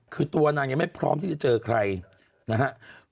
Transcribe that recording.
คือตัวนางยังไม่พร้อมที่จะเจอใครนะครับ